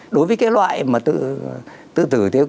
đối với loại tự tử